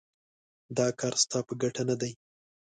دا کار ستا په ګټه نه دی.